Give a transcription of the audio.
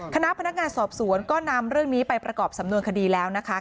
คณะพนักงานสอบสวนก็นำเรื่องนี้ไปประกอบสำนวนคดีแล้วนะคะ